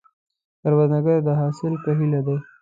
کروندګر د حاصل په هیله دی